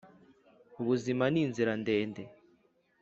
ubuzima ni inzira ndende